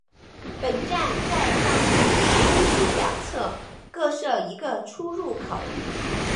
本站在上永路东西两侧各设一个出入口。